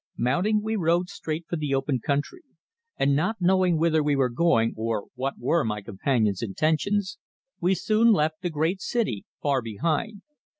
Mounting, we rode straight for the open country, and not knowing whither we were going or what were my companion's intentions, we soon left the great city far behind.